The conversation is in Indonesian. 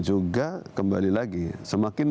juga kembali lagi semakin